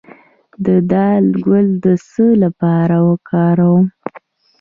د دال ګل د څه لپاره وکاروم؟